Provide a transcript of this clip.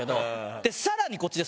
でさらにこっちですね。